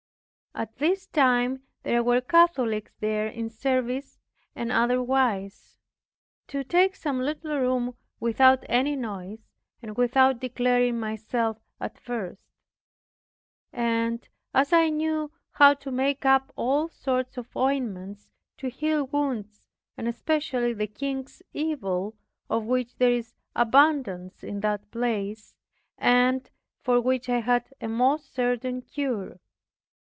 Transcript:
At this time there were Catholics there in service, and otherwise; to take some little room without any noise, and without declaring myself at first; and as I knew how to make up all sorts of ointments to heal wounds and especially the king's evil, of which there is abundance in that place, and for which I had a most certain cure.